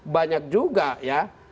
banyak juga ya